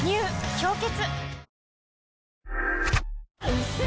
「氷結」